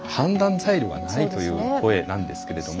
材料がないという声なんですけれども。